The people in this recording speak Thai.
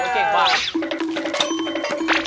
เก่งมาก